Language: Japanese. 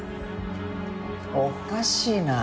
おかしいな。